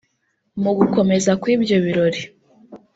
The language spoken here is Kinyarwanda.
Mugukomeza kw’ibyo birori